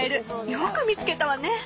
よく見つけたわね。